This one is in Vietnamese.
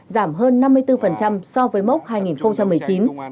giảm hơn năm mươi bốn so với mốc hai nghìn một mươi chín